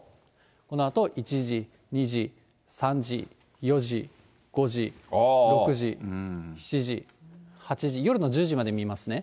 このあと１時、２時、３時、４時、５時、６時、７時、８時、夜の１０時まで見ますね。